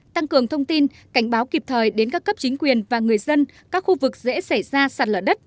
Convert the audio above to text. tăng cường thông tin cảnh báo kịp thời đến các cấp chính quyền và người dân các khu vực dễ xảy ra sạt lở đất